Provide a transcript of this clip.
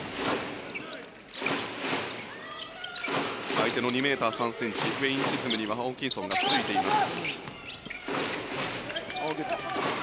相手の２ｍ３ｃｍウェイン・チズムには今ホーキンソンがついています。